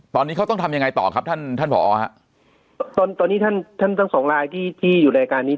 ตอนนี้เขาต้องทำยังไงต่อครับท่านท่านผอฮะตอนนี้ท่านท่านทั้งสองลายที่ที่อยู่ในรายการนี้